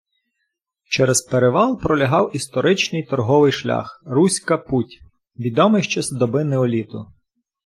Через перевал пролягав історичний торговий шлях — Руська Путь, відомий ще з доби неоліту.